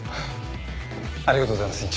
ありがとうございます院長。